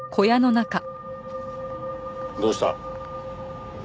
どうした？